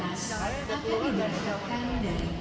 apa yang kalian udah pilih